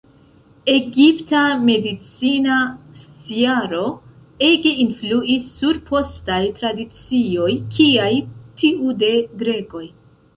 Egipta medicina sciaro ege influis sur postaj tradicioj, kiaj tiu de grekoj.